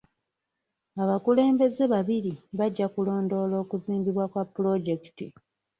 Abakulembeze babiri bajja kulondoola okuzimbibwa kwa pulojekiti.